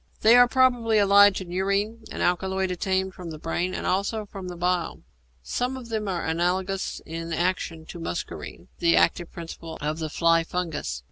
They are probably allied to neurine, an alkaloid obtained from the brain and also from the bile. Some of them are analogous in action to muscarine, the active principle of the fly fungus.